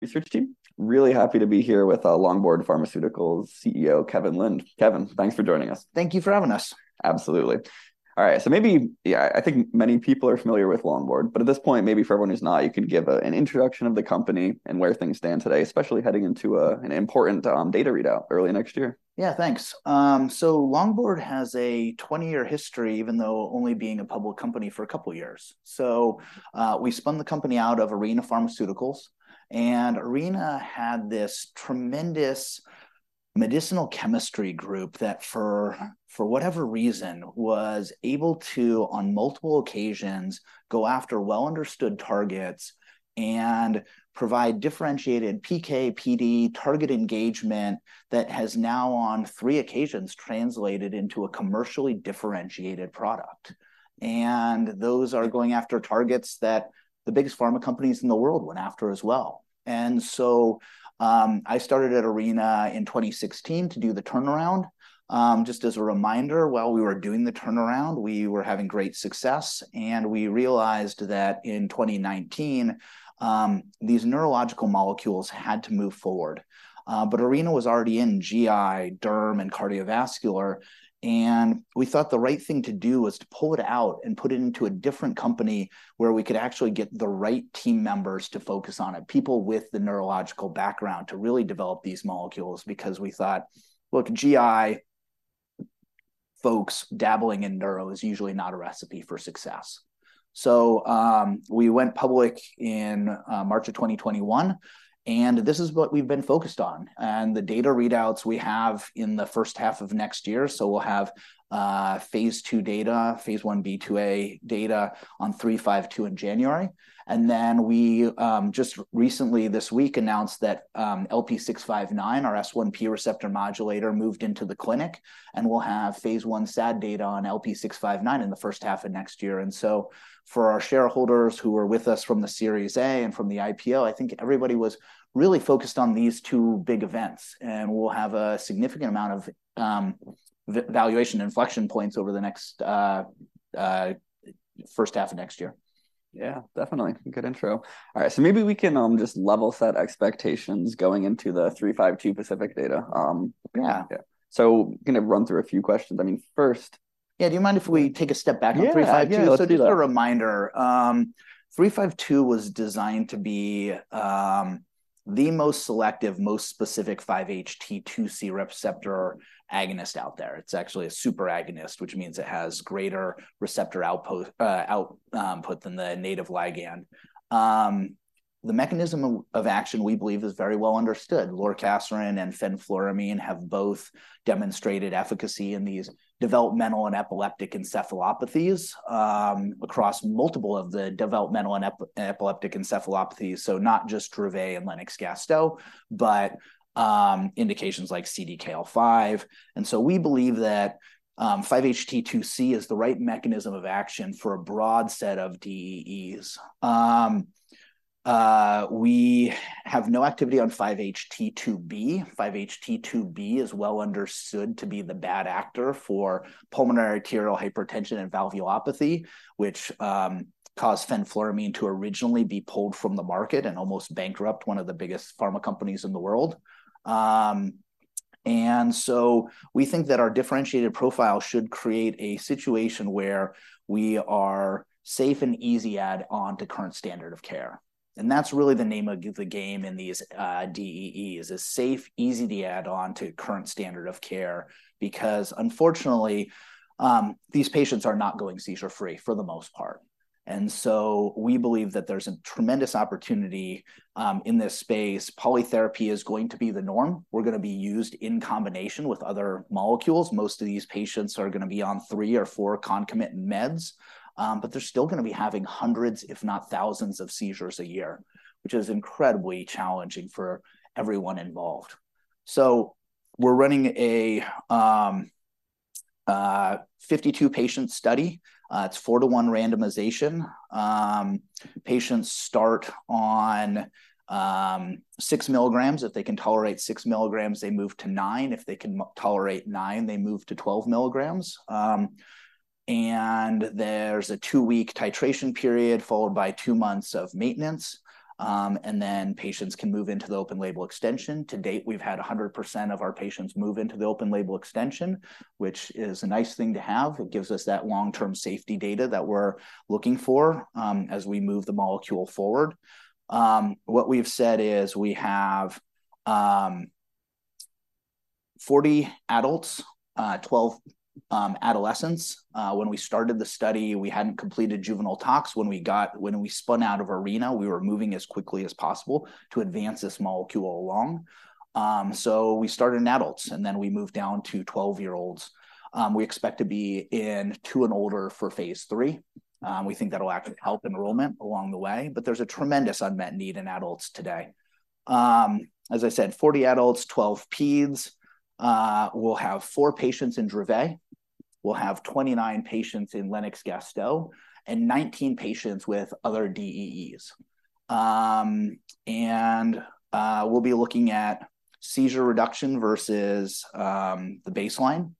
Research team. Really happy to be here with, Longboard Pharmaceuticals CEO, Kevin Lind. Kevin, thanks for joining us. Thank you for having us. Absolutely. All right, so maybe, yeah, I think many people are familiar with Longboard, but at this point, maybe for everyone who's not, you can give an introduction of the company and where things stand today, especially heading into an important data readout early next year. Yeah, thanks. So Longboard has a 20-year history, even though only being a public company for a couple years. So, we spun the company out of Arena Pharmaceuticals, and Arena had this tremendous medicinal chemistry group that, for whatever reason, was able to, on multiple occasions, go after well-understood targets and provide differentiated PK/PD target engagement that has now, on three occasions, translated into a commercially differentiated product. And those are going after targets that the biggest pharma companies in the world went after as well. And so, I started at Arena in 2016 to do the turnaround. Just as a reminder, while we were doing the turnaround, we were having great success, and we realized that in 2019, these neurological molecules had to move forward. But Arena was already in GI, derm, and cardiovascular, and we thought the right thing to do was to pull it out and put it into a different company, where we could actually get the right team members to focus on it, people with the neurological background to really develop these molecules, because we thought, "Look, GI folks dabbling in neuro is usually not a recipe for success." So, we went public in March of 2021, and this is what we've been focused on. The data readouts we have in the first half of next year, so we'll have phase II data, phase Ib/IIa data on 352 in January. We just recently this week announced that LP659, our S1P receptor modulator, moved into the clinic, and we'll have Phase I SAD data on LP659 in the first half of next year. So for our shareholders who were with us from the Series A and from the IPO, I think everybody was really focused on these two big events, and we'll have a significant amount of valuation inflection points over the next first half of next year. Yeah, definitely. Good intro. All right, so maybe we can just level set expectations going into the 352 PACIFIC data. Yeah. Yeah. Gonna run through a few questions. I mean, first- Yeah, do you mind if we take a step back on 352? Yeah, yeah, let's do that. Just a reminder, 352 was designed to be the most selective, most specific 5-HT2C receptor agonist out there. It's actually a super agonist, which means it has greater receptor output than the native ligand. The mechanism of action, we believe, is very well understood. Lorcaserin and fenfluramine have both demonstrated efficacy in these developmental and epileptic encephalopathies across multiple of the developmental and epileptic encephalopathies, so not just Dravet and Lennox-Gastaut, but indications like CDKL5. And so we believe that 5-HT2C is the right mechanism of action for a broad set of DEEs. We have no activity on 5-HT2B. 5-HT2B is well understood to be the bad actor for pulmonary arterial hypertension and valvulopathy, which caused fenfluramine to originally be pulled from the market and almost bankrupt one of the biggest pharma companies in the world. And so we think that our differentiated profile should create a situation where we are safe and easy add-on to current standard of care, and that's really the name of the game in these DEEs, a safe, easy to add on to current standard of care, because unfortunately these patients are not going seizure-free for the most part. And so we believe that there's a tremendous opportunity in this space. Polytherapy is going to be the norm. We're gonna be used in combination with other molecules. Most of these patients are gonna be on three or four concomitant meds, but they're still gonna be having hundreds, if not thousands, of seizures a year, which is incredibly challenging for everyone involved. So we're running a 52-patient study. It's 4-to-1 randomization. Patients start on 6 mg. If they can tolerate 6 mg they move to 9. If they can tolerate 9, they move to 12 mg. And there's a two-week titration period, followed by two months of maintenance, and then patients can move into the open-label extension. To date, we've had 100% of our patients move into the open-label extension, which is a nice thing to have. It gives us that long-term safety data that we're looking for, as we move the molecule forward. What we've said is we have 40 adults, 12 adolescents. When we started the study, we hadn't completed juvenile tox. When we spun out of Arena, we were moving as quickly as possible to advance this molecule along. So we started in adults, and then we moved down to 12-year-olds. We expect to be in two and older for phase III. We think that'll help enrollment along the way, but there's a tremendous unmet need in adults today. As I said, 40 adults, 12 peds. We'll have four patients in Dravet, we'll have 29 patients in Lennox-Gastaut, and 19 patients with other DEEs. And we'll be looking at seizure reduction versus the baseline,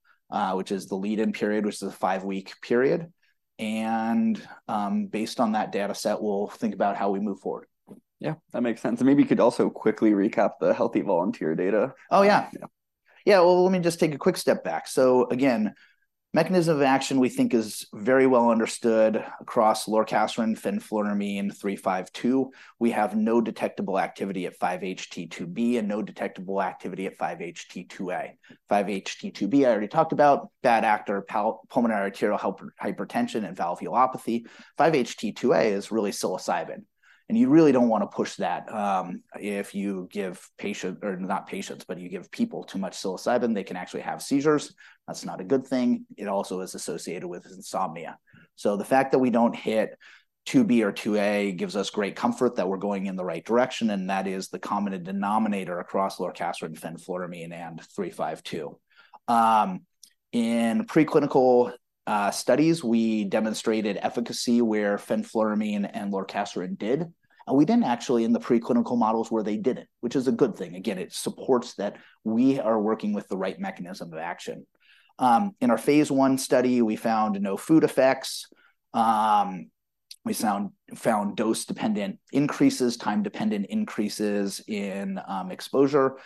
which is the lead-in period, which is a five-week period. Based on that data set, we'll think about how we move forward. Yeah, that makes sense. Maybe you could also quickly recap the healthy volunteer data. Oh, yeah. Yeah. Yeah, well, let me just take a quick step back. So again, mechanism of action, we think is very well understood across lorcaserin, fenfluramine, and 352. We have no detectable activity at 5-HT2B and no detectable activity at 5-HT2A. 5-HT2B, I already talked about, bad actor, pulmonary arterial hypertension, and valvulopathy. 5-HT2A is really psilocybin, and you really don't want to push that. If you give patient, or not patients, but you give people too much psilocybin, they can actually have seizures. That's not a good thing. It also is associated with insomnia. So the fact that we don't hit 2B or 2A gives us great comfort that we're going in the right direction, and that is the common denominator across lorcaserin, fenfluramine, and 352. In preclinical studies, we demonstrated efficacy where fenfluramine and lorcaserin did. And we then actually, in the preclinical models, where they didn't, which is a good thing. Again, it supports that we are working with the right mechanism of action. In our phase I study, we found no food effects. We found dose-dependent increases, time-dependent increases in exposure.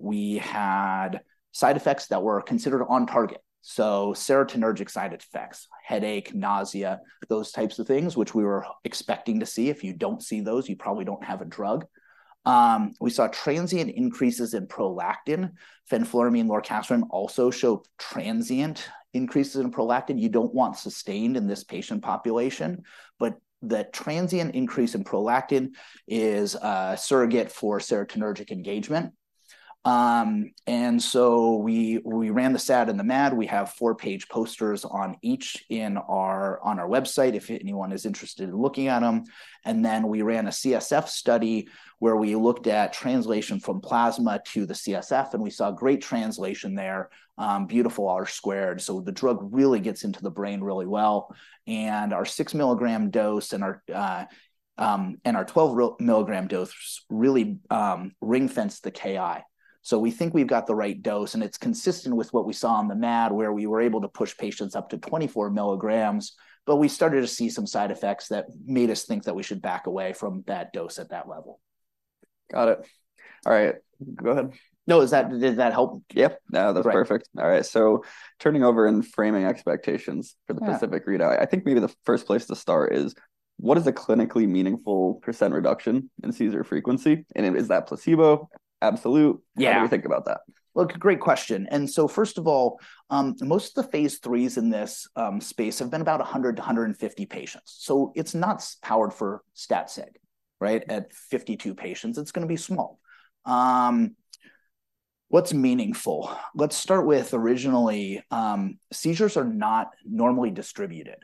We had side effects that were considered on target, so serotonergic side effects, headache, nausea, those types of things, which we were expecting to see. If you don't see those, you probably don't have a drug. We saw transient increases in prolactin. Fenfluramine, lorcaserin also showed transient increases in prolactin. You don't want sustained in this patient population, but the transient increase in prolactin is a surrogate for serotonergic engagement. And so we ran the SAD and the MAD. We have four-page posters on each in our, on our website, if anyone is interested in looking at them. And then we ran a CSF study, where we looked at translation from plasma to the CSF, and we saw great translation there. Beautiful R squared. So the drug really gets into the brain really well, and our 6 mg dose and our and our 12 mg dose really ring-fenced the Ki. So we think we've got the right dose, and it's consistent with what we saw on the MAD, where we were able to push patients up to 24 mg. But we started to see some side effects that made us think that we should back away from that dose at that level. Got it. All right, go ahead. No, does that - did that help? Yep. No, that's perfect. All right. All right, so turning over and framing expectations. Yeah.... for the PACIFIC readout, I think maybe the first place to start is, what is a clinically meaningful % reduction in seizure frequency, and is that placebo, absolute? Yeah. What do you think about that? Well, great question. So first of all, most of the phase IIIs in this space have been about 100-150 patients. It's not powered for stat sig, right? At 52 patients, it's gonna be small. What's meaningful? Let's start with originally, seizures are not normally distributed.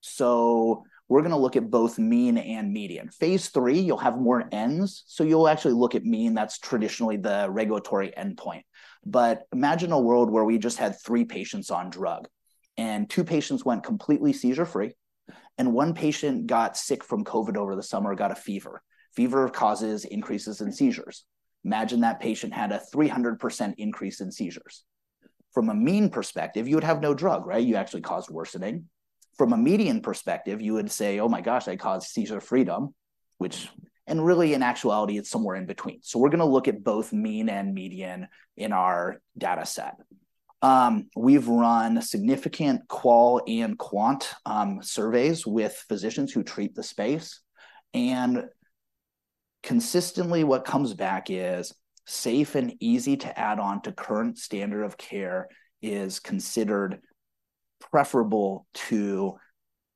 So we're gonna look at both mean and median. Phase III, you'll have more ends, so you'll actually look at mean. That's traditionally the regulatory endpoint. But imagine a world where we just had three patients on drug, and two patients went completely seizure-free, and one patient got sick from COVID over the summer, got a fever. Fever causes increases in seizures. Imagine that patient had a 300% increase in seizures. From a mean perspective, you would have no drug, right? You actually caused worsening. From a median perspective, you would say, "Oh, my gosh, I caused seizure freedom," which... And really, in actuality, it's somewhere in between. So we're gonna look at both mean and median in our data set. We've run significant qual and quant surveys with physicians who treat the space, and consistently, what comes back is, safe and easy to add on to current standard of care is considered preferable to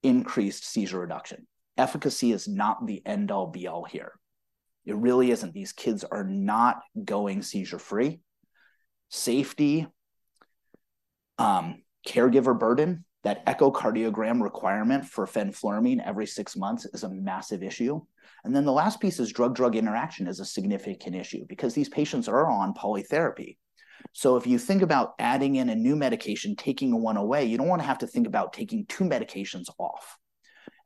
increased seizure reduction. Efficacy is not the end-all, be-all here. It really isn't. These kids are not going seizure-free. Safety, caregiver burden, that echocardiogram requirement for fenfluramine every six months is a massive issue. And then the last piece is drug-drug interaction is a significant issue because these patients are on polytherapy. So if you think about adding in a new medication, taking one away, you don't want to have to think about taking two medications off.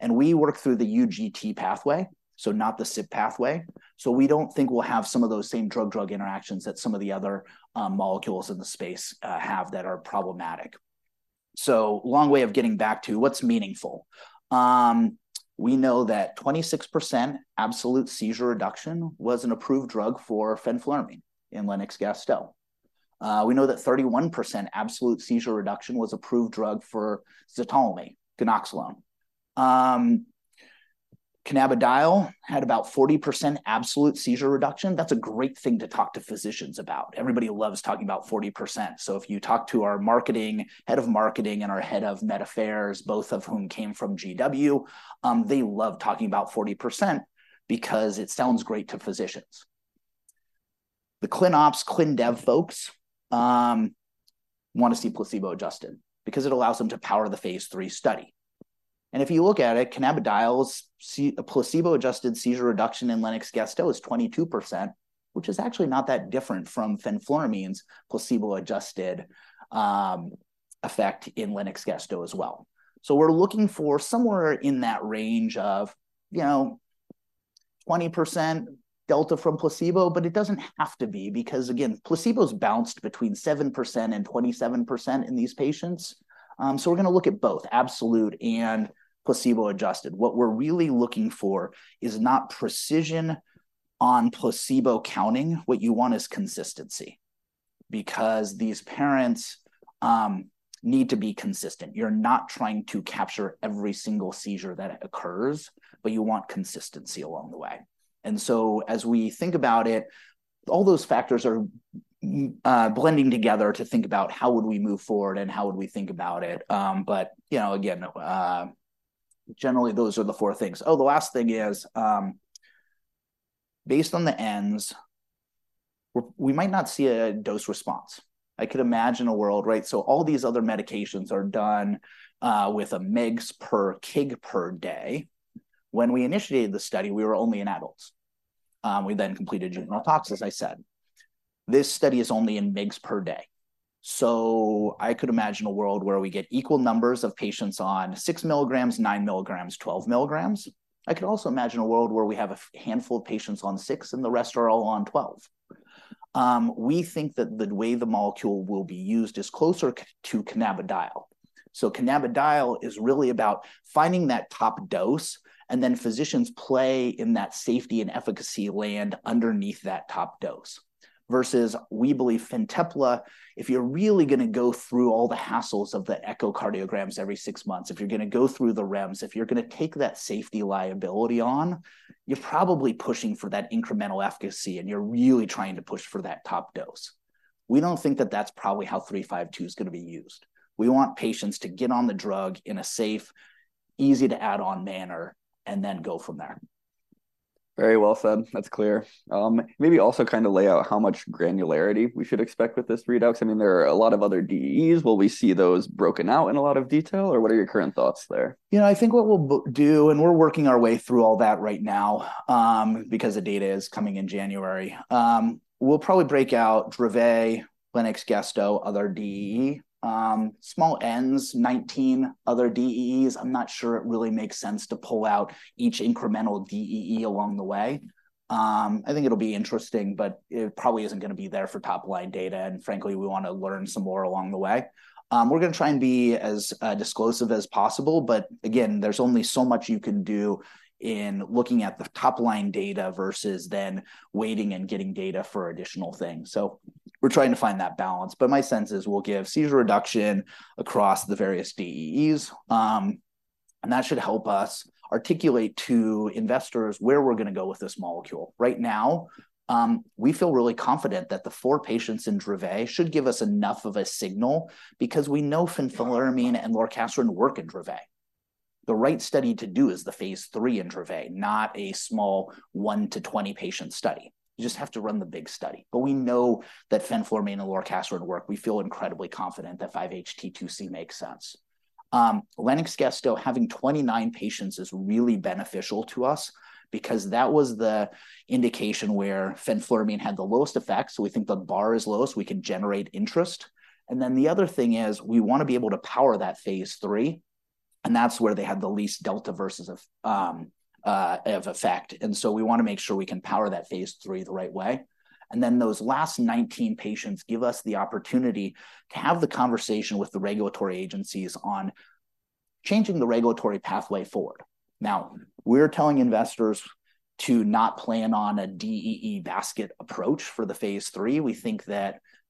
And we work through the UGT pathway, so not the S1P pathway, so we don't think we'll have some of those same drug-drug interactions that some of the other, molecules in the space, have that are problematic. So long way of getting back to what's meaningful. We know that 26% absolute seizure reduction was an approved drug for fenfluramine in Lennox-Gastaut. We know that 31% absolute seizure reduction was approved drug for zonisamide, ganaxolone. Cannabidiol had about 40% absolute seizure reduction. That's a great thing to talk to physicians about. Everybody loves talking about 40%. So if you talk to our marketing, head of marketing, and our head of med affairs, both of whom came from GW, they love talking about 40% because it sounds great to physicians. The clin ops, clin dev folks want to see placebo-adjusted because it allows them to power the phase III study. And if you look at it, cannabidiol's placebo-adjusted seizure reduction in Lennox-Gastaut is 22%, which is actually not that different from fenfluramine's placebo-adjusted effect in Lennox-Gastaut as well. So we're looking for somewhere in that range of, you know, 20% delta from placebo, but it doesn't have to be, because again, placebos bounced between 7% and 27% in these patients. So we're going to look at both absolute and placebo-adjusted. What we're really looking for is not precision on placebo counting, what you want is consistency. Because these parents need to be consistent. You're not trying to capture every single seizure that occurs, but you want consistency along the way. As we think about it, all those factors are blending together to think about how would we move forward and how would we think about it. But you know, again, generally, those are the four things. Oh, the last thing is, based on the ends, we might not see a dose response. I could imagine a world, right? So all these other medications are done with mg per kg per day. When we initiated the study, we were only in adults. We then completed juvenile tox, as I said. This study is only in mg per day. So I could imagine a world where we get equal numbers of patients on 6 mg, 9 mg, 12 mg. I could also imagine a world where we have a handful of patients on 6, and the rest are all on 12. We think that the way the molecule will be used is closer to cannabidiol. So cannabidiol is really about finding that top dose, and then physicians play in that safety and efficacy land underneath that top dose. Versus, we believe Fintepla, if you're really going to go through all the hassles of the echocardiograms every six months, if you're going to go through the REMS, if you're going to take that safety liability on, you're probably pushing for that incremental efficacy, and you're really trying to push for that top dose. We don't think that that's probably how 352 is going to be used. We want patients to get on the drug in a safe, easy-to-add-on manner and then go from there. Very well said. That's clear. Maybe also kind of lay out how much granularity we should expect with this redux. I mean, there are a lot of other DEEs. Will we see those broken out in a lot of detail, or what are your current thoughts there? You know, I think what we'll do, and we're working our way through all that right now, because the data is coming in January. We'll probably break out Dravet, Lennox-Gastaut, other DEE. Small ends, 19 other DEEs. I'm not sure it really makes sense to pull out each incremental DEE along the way. I think it'll be interesting, but it probably isn't going to be there for top-line data, and frankly, we want to learn some more along the way. We're going to try and be as disclosive as possible, but again, there's only so much you can do in looking at the top-line data versus then waiting and getting data for additional things. So we're trying to find that balance. But my sense is we'll give seizure reduction across the various DEEs, and that should help us articulate to investors where we're going to go with this molecule. Right now, we feel really confident that the four patients in Dravet should give us enough of a signal because we know fenfluramine and lorcaserin work in Dravet. The right study to do is the phase III in Dravet, not a small one to 20 patient study. You just have to run the big study. But we know that fenfluramine and lorcaserin work. We feel incredibly confident that 5-HT2C makes sense. Lennox-Gastaut, having 29 patients is really beneficial to us because that was the indication where fenfluramine had the lowest effect, so we think the bar is low, so we can generate interest. And then the other thing is, we want to be able to power that phase III, and that's where they had the least delta versus of effect. So we want to make sure we can power that phase III the right way. And then those last 19 patients give us the opportunity to have the conversation with the regulatory agencies on changing the regulatory pathway forward. Now, we're telling investors to not plan on a DEE basket approach for the phase III. We think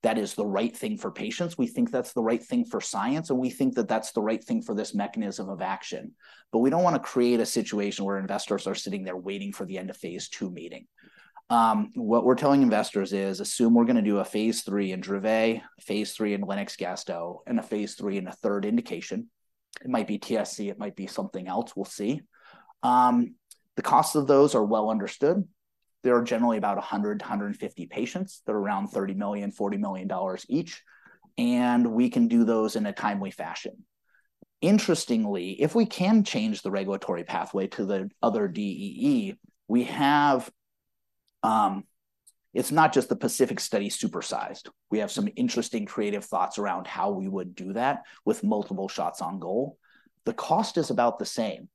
that that is the right thing for patients, we think that's the right thing for science, and we think that that's the right thing for this mechanism of action. But we don't want to create a situation where investors are sitting there waiting for the end of phase II meeting. What we're telling investors is, assume we're going to do a phase III in Dravet, a phase III in Lennox-Gastaut, and a phase III in a third indication. It might be TSC, it might be something else. We'll see. The costs of those are well understood. They are generally about 100-150 patients. They're around $30 million-$40 million each, and we can do those in a timely fashion. Interestingly, if we can change the regulatory pathway to the other DEE, we have... It's not just the PACIFIC Study supersized. We have some interesting creative thoughts around how we would do that with multiple shots on goal. The cost is about the same.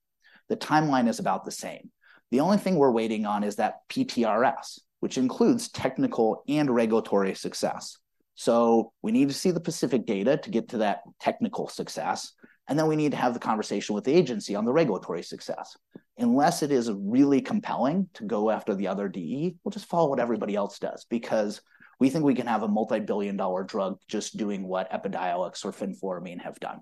The timeline is about the same. The only thing we're waiting on is that PTRS, which includes technical and regulatory success. So we need to see the PACIFIC data to get to that technical success, and then we need to have the conversation with the agency on the regulatory success. Unless it is really compelling to go after the other DEE, we'll just follow what everybody else does, because we think we can have a multi-billion dollar drug just doing what Epidiolex or fenfluramine have done.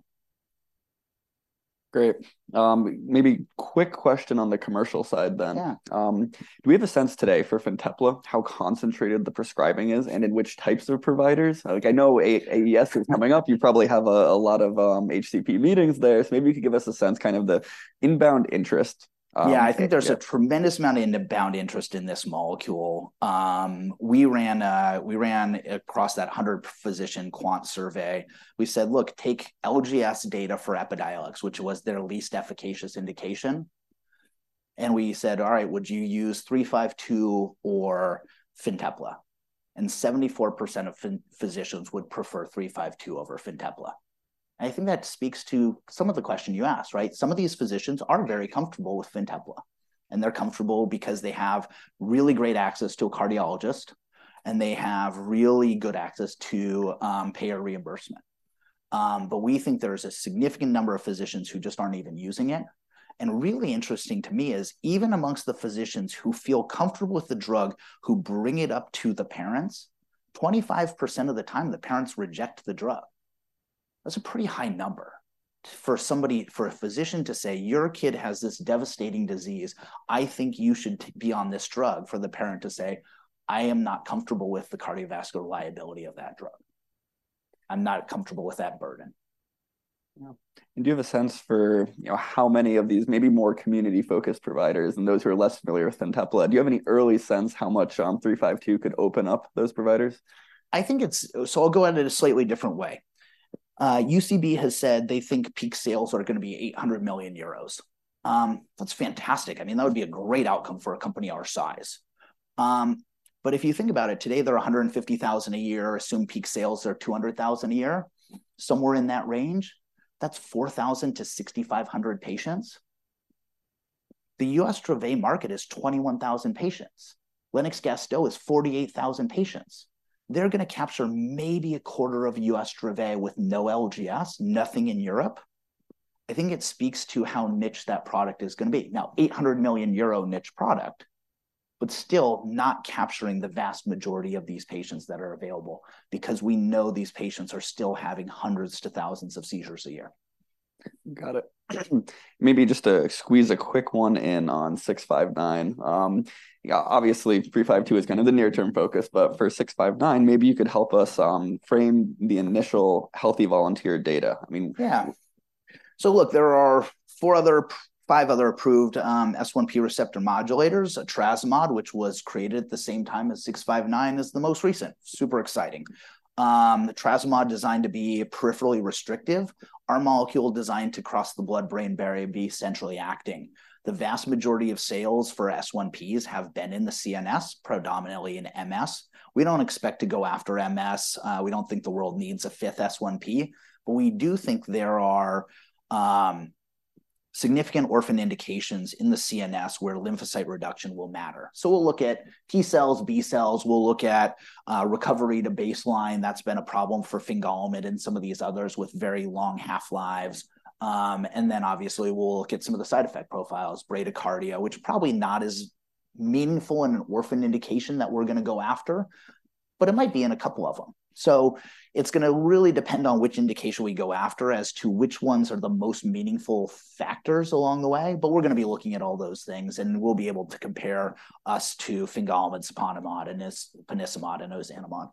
Great. Maybe quick question on the commercial side, then. Yeah. Do we have a sense today for Fintepla, how concentrated the prescribing is, and in which types of providers? Like, I know, AES is coming up. You probably have a lot of HCP meetings there. So maybe you could give us a sense, kind of the inbound interest. Yeah, I think there's a tremendous amount of inbound interest in this molecule. We ran across that 100-physician quant survey. We said, "Look, take LGS data for Epidiolex," which was their least efficacious indication. And we said, "All right, would you use 352 or Fintepla?" And 74% of physicians would prefer 352 over Fintepla. I think that speaks to some of the question you asked, right? Some of these physicians are very comfortable with Fintepla, and they're comfortable because they have really great access to a cardiologist, and they have really good access to payer reimbursement. But we think there's a significant number of physicians who just aren't even using it. Really interesting to me is even amongst the physicians who feel comfortable with the drug, who bring it up to the parents, 25% of the time, the parents reject the drug. That's a pretty high number for somebody- for a physician to say, "Your kid has this devastating disease. I think you should be on this drug," for the parent to say, "I am not comfortable with the cardiovascular liability of that drug. I'm not comfortable with that burden. Yeah. And do you have a sense for, you know, how many of these, maybe more community-focused providers and those who are less familiar with Fintepla, do you have any early sense how much LP352 could open up those providers? I think it's... So I'll go at it a slightly different way. UCB has said they think peak sales are going to be 800 million euros. That's fantastic. I mean, that would be a great outcome for a company our size. But if you think about it, today, they're $150,000 a year, assume peak sales are $200,000 a year, somewhere in that range. That's 4,000-6,500 patients. The U.S. Dravet market is 21,000 patients. Lennox-Gastaut is 48,000 patients. They're going to capture maybe a quarter of U.S. Dravet with no LGS, nothing in Europe. I think it speaks to how niche that product is going to be. Now, 800 million euro niche product, but still not capturing the vast majority of these patients that are available, because we know these patients are still having hundreds to thousands of seizures a year. Got it. Maybe just to squeeze a quick one in on 659. Yeah, obviously, 352 is kind of the near-term focus, but for 659, maybe you could help us frame the initial healthy volunteer data. I mean- Yeah. So look, there are four other, five other approved S1P receptor modulators. Etrasimod, which was created at the same time as 659, is the most recent. Super exciting. The etrasimod designed to be peripherally restrictive, our molecule designed to cross the blood-brain barrier, be centrally acting. The vast majority of sales for S1Ps have been in the CNS, predominantly in MS. We don't expect to go after MS. We don't think the world needs a fifth S1P, but we do think there are significant orphan indications in the CNS where lymphocyte reduction will matter. So we'll look at T cells, B cells. We'll look at recovery to baseline. That's been a problem for fingolimod and some of these others with very long half-lives. And then, obviously, we'll look at some of the side effect profiles, bradycardia, which are probably not as meaningful in an orphan indication that we're going to go after, but it might be in a couple of them. So it's going to really depend on which indication we go after as to which ones are the most meaningful factors along the way, but we're going to be looking at all those things, and we'll be able to compare us to fingolimod, siponimod, and ponesimod, and ozanimod.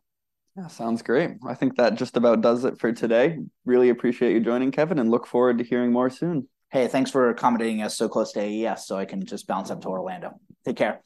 Yeah, sounds great. I think that just about does it for today. Really appreciate you joining, Kevin, and look forward to hearing more soon. Hey, thanks for accommodating us so close to AES, so I can just bounce up to Orlando. Take care.